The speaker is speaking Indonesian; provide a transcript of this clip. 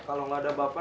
kalau gak ada bapak